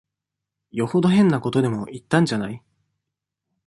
よほど変なことでも言ったんじゃない。